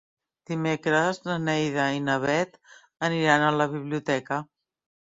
Dimecres na Neida i na Bet aniran a la biblioteca.